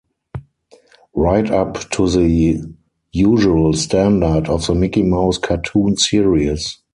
Right up to the usual standard of the Mickey Mouse cartoon series.